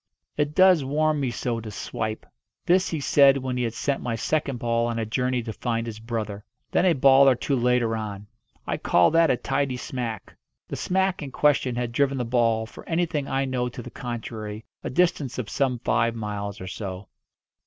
"It does warm me so to swipe." This he said when he had sent my second ball on a journey to find its brother. Then a ball or two later on, "I call that a tidy smack." The "smack" in question had driven the ball, for anything I know to the contrary, a distance of some five miles or so.